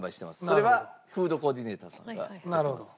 それはフードコーディネーターさんがやってます。